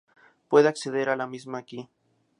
Puede acceder a la misma aqui.